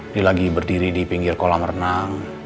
dia lagi berdiri di pinggir kolam renang